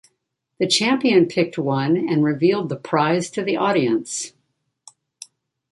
The champion picked one and revealed the prize to the audience.